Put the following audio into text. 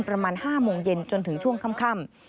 ประมาณ๕โมงเย็นจนถึงช่วงค่ำ